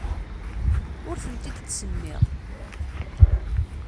Ur tent-id-ttsemmiɣ.